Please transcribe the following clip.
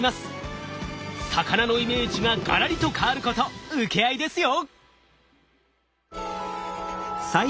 魚のイメージがガラリと変わること請け合いですよ！